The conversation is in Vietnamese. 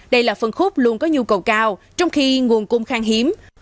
đây là phân khúc luôn có nhu cầu cao trong khi nguồn cung khang hiếm